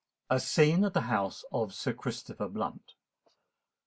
A SCENE AT THE HOUSE OF SIR CHRISTOPHER BLUNT.